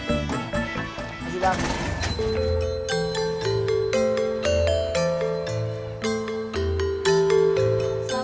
untung ulang hari porter